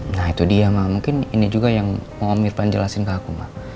nah itu dia mah mungkin ini juga yang mau om irfan jelasin ke aku